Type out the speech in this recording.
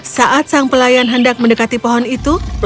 saat sang pelayan hendak mendekati pohon itu